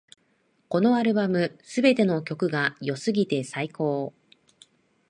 このアルバム、すべての曲が良すぎて最高